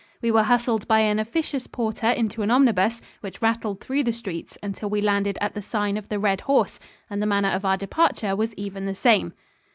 We were hustled by an officious porter into an omnibus, which rattled through the streets until we landed at the Sign of the Red Horse; and the manner of our departure was even the same.